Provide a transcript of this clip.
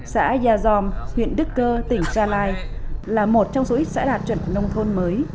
xã gia gion huyện đức cơ tỉnh sa lai là một trong số ít xã đạt chuẩn nông thôn mới